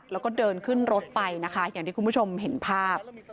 แล้วก็เดินขึ้นรถไปนะคะอย่างที่คุณผู้ชมเห็นภาพ